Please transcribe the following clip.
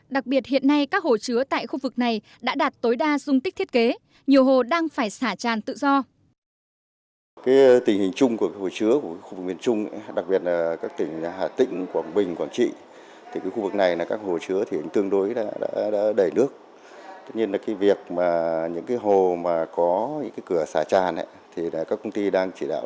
đặc biệt hiện nay các hồ chứa tại khu vực này đã đạt tối đa dung tích thiết kế nhiều hồ đang phải xả tràn tự do